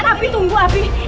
tapi tunggu abi